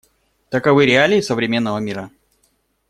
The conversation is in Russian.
Таковы реалии современного мира.